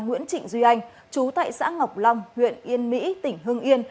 nguyễn trịnh duy anh chú tại xã ngọc long huyện yên mỹ tỉnh hưng yên